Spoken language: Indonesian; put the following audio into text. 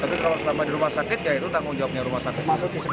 tapi kalau selama di rumah sakit ya itu tanggung jawabnya rumah sakit